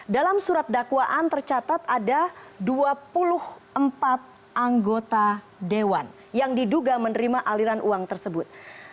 dalam surat dakwaan tercatat ada dua puluh empat anggota dewan yang diduga menerima aliran uang tersebut